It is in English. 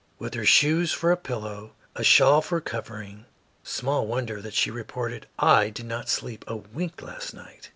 With her shoes for a pillow, a shawl for covering, small wonder that she reported, "I did not sleep a wink last night."